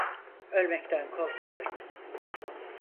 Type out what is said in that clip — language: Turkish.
Ölmekten korkuyorum.